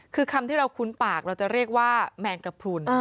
คือคำที่เราคุ้นปากเราจะเรียกว่าแมงกระพรุน